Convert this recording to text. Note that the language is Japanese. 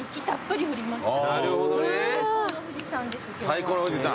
最高の富士山。